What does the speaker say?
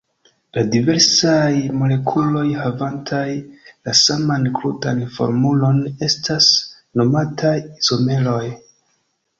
La diversaj molekuloj havantaj la saman krudan formulon estas nomataj izomeroj.